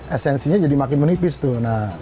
esensinya jadi makin menipis tuh